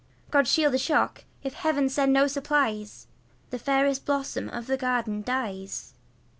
God shield the stock! if Heaven send no supplies, The fairest blossom of the garden dies.